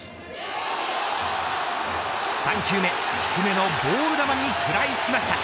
３球目、低めのボール球に食らいつきました。